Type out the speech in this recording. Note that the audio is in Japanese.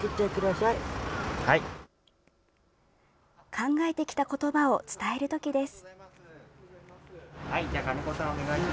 考えてきた言葉を伝えるときです。